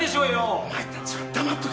お前たちは黙っとけ。